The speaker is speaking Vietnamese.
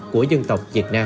của dân tộc việt nam